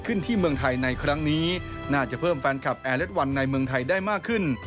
ขึ้นที่เมืองไทยในครั้งนี้น่าจะเพิ่มแฟนคลับในเมืองไทยได้มากขึ้น